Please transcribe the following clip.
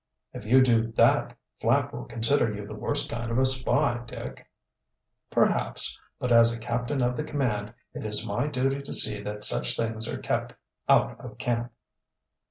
"If you do that, Flapp will consider you the worst kind of a spy, Dick." "Perhaps, but as a captain of the command it is my duty to see that such things are kept out of camp."